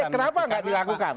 kenapa nggak dilakukan